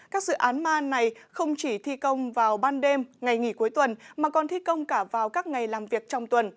các dự án ma này không chỉ thi công vào ban đêm ngày nghỉ cuối tuần mà còn thi công cả vào các ngày làm việc trong tuần